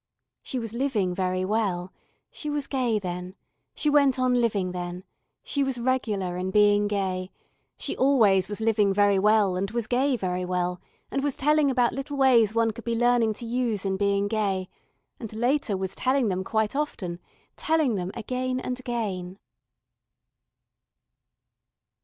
She was living very well, she was gay then, she went on living then, she was regular in being gay, she always was living very well and was gay very well and was telling about little ways one could be learning to use in being gay, and later was telling them quite often, telling them again and again.